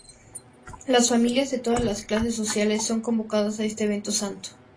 Las familias de todas las clases sociales son convocadas a este evento santo.